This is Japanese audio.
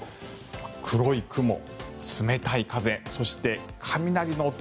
黒い雲、冷たい風そして、雷の音。